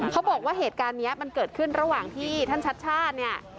เขาบอกว่าเหตุการณ์นี้มันเกิดขึ้นระหว่างที่ท่านชัชชาติเนี่ย